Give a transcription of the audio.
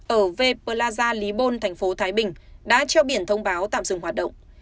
ở ve plaza lý bôn thành phố thái bình đã treo biển thông báo tạm dừng hoạt động